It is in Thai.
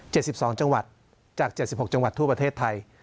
๗๒จังหวัดจาก๗๖จังหวัดทั่วประเทศไทย